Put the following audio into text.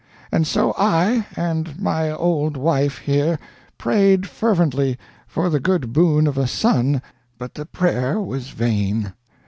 And so I and my old wife here prayed fervently for the good boon of a son, but the prayer was vain.